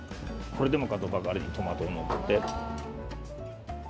これでもかとばかりにトマトをのっけて。